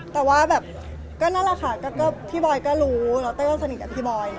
แต่ว่าแบบก็นั่นแหละค่ะก็พี่บอยก็รู้แล้วเต้ยก็สนิทกับพี่บอย